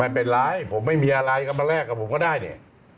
ไม่เป็นไรผมไม่มีอะไรก็มาแลกกับผมก็ได้เนี่ย